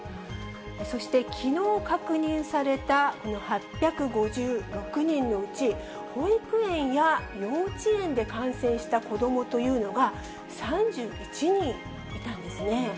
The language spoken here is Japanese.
そしてきのう確認されたこの８５６人のうち、保育園や幼稚園で感染した子どもというのが３１人いたんですね。